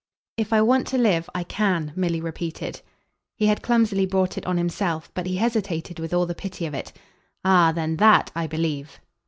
"If I want to live. I CAN," Milly repeated. He had clumsily brought it on himself, but he hesitated with all the pity of it. "Ah then THAT I believe."